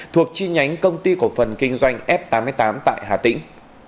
thuộc chi nhánh công ty cổ phần kinh doanh f tám mươi tám tại hà tĩnh